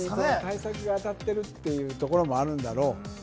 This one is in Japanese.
対策が当たっているというところもあるんだろう。